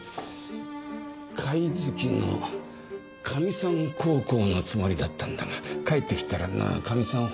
貝好きのカミさん孝行のつもりだったんだが帰ってきたらなカミさん